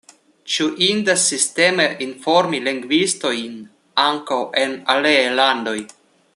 Ĉu indas sisteme informi lingvistojn ankaŭ en aliaj landoj?